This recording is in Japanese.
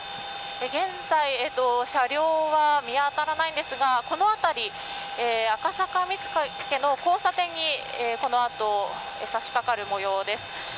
現在車両は見当たらないんですがこの辺り、赤坂見附の交差点にこのあと、さしかかる模様です。